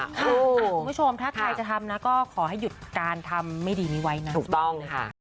คุณผู้ชมถ้าใครจะทำนะก็ขอให้หยุดการทำไม่ดีนี้ไว้นะถูกต้องค่ะ